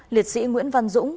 sáu liệt sĩ nguyễn văn dũng